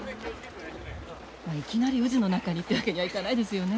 いきなり渦の中にというわけにはいかないですよね？